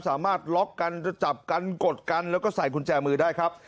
สามารถล็อกกันจะจับกันกดกันแล้วก็ใส่กุญแจมือได้ครับ